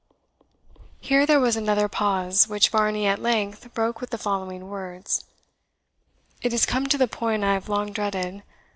Here there was another pause, which Varney at length broke with the following words: "It is come to the point I have long dreaded.